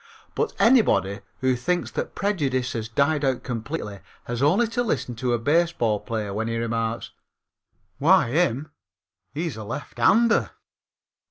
But anybody who thinks that prejudice has died out completely has only to listen to a baseball player when he remarks: "Why him he's a lefthander!"